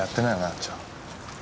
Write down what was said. あっちは。